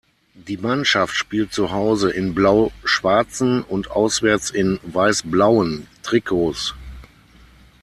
Die Mannschaft spielt zu Hause in blau-schwarzen und auswärts in weiß-blauen Trikots.